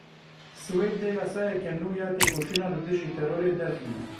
Swêd dê yasayeke nû ya têkoşîna li dijî terorê derxîne.